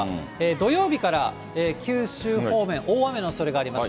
土曜日から九州方面、大雨のおそれがあります。